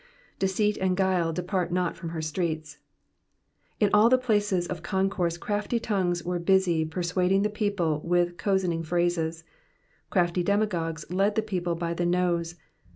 "• Deceit and guile depart not from her streets.'*'' In all the places of concourse crafty tongues were busy persuading the people with cozening phrases. Crafty demagogues led the people by the nose.